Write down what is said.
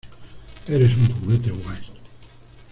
Eres un juguete guay.